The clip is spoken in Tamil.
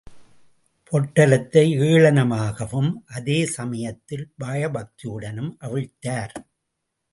பொட்டலத்தை ஏளனமாகவும், அதே சமயத்தில் பயபக்தியுடனும் அவிழ்த்தார்!